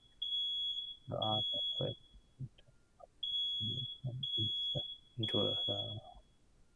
The other phage proteins are synthesized and inserted into the cytoplasmic or outer membranes.